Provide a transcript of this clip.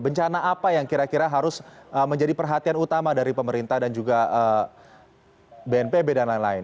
bencana apa yang kira kira harus menjadi perhatian utama dari pemerintah dan juga bnpb dan lain lain